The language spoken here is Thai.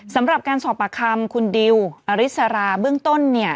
สำหรับการสอบปากคำคุณดิวอริสราเบื้องต้นเนี่ย